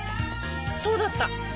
そうだった！